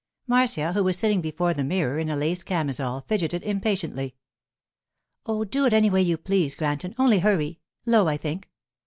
Marcia, who was sitting before the mirror in a lace camisole, fidgeted impatiently. 'Oh, do it any way you please, Granton, only hurry—low, I think.